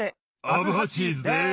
アブハチーズです！